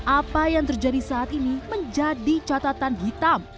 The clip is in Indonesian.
apa yang terjadi saat ini menjadi catatan hitam